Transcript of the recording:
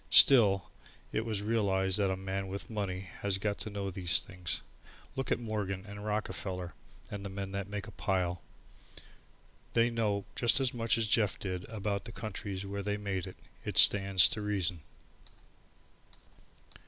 Still, it was realized that a man with money has got to know these things. Look at Morgan and Rockefeller and all the men that make a pile. They know just as much as Jeff did about the countries where they make it. It stands to reason.